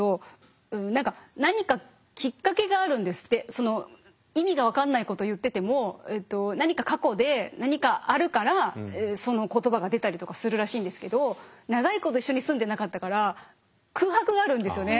その意味が分かんないこと言ってても何か過去で何かあるからその言葉が出たりとかするらしいんですけど長いこと一緒に住んでなかったから空白があるんですよね。